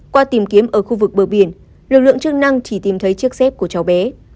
qua tìm kiếm ở khu vực bờ biển lực lượng chức năng chỉ tìm thấy chiếc xếp của cháu bé